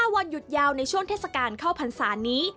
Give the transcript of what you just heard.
วันหยุดยาวในช่วงเทศกาลเข้าพรรษานี้